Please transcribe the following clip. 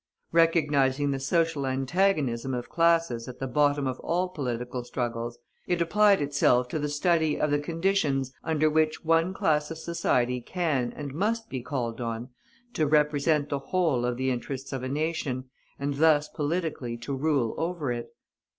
Recognizing the social antagonism of classes at the bottom of all political struggles, it applied itself to the study of the conditions under which one class of society can and must be called on to represent the whole of the interests of a nation, and thus politically to rule over it.